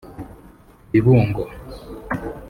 Bibungo